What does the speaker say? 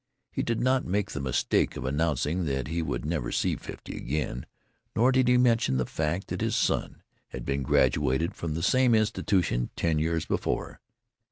He did not make the mistake of announcing that he would never see fifty again, nor did he mention the fact that his son had been graduated from the same institution ten years before.